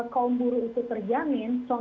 kaum buruh itu terjamin